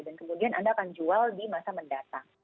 dan kemudian anda akan jual di masa mendatang